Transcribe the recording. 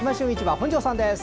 本庄さんです。